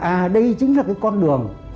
à đây chính là cái con đường